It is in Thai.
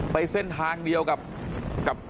ไปเส้นทางเดียวกับ